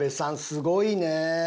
すごいね！